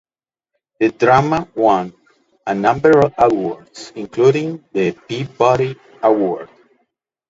The drama won a number of awards, including the Peabody Award.